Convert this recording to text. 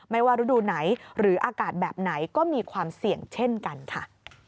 ว่าฤดูไหนหรืออากาศแบบไหนก็มีความเสี่ยงเช่นกันค่ะ